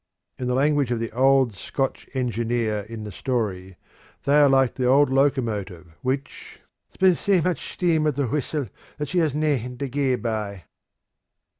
In the language of the old Scotch engineer in the story, they are like the old locomotive which "spends sae much steam at the whustle that she hae nane left to gae by."